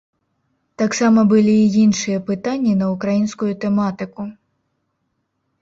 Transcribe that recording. Таксама былі і іншыя пытанні на ўкраінскую тэматыку.